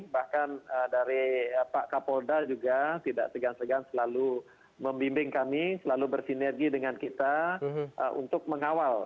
bahkan dari pak kapolda juga tidak segan segan selalu membimbing kami selalu bersinergi dengan kita untuk mengawal